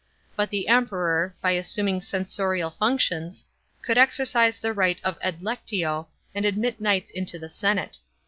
But the Emperor, by assuming censorial functions, could exercise the right of adlectio, and admit kniuhts into the senate.